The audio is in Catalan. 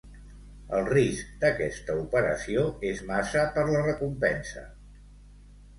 El risc d'aquesta operació és massa per la recompensa.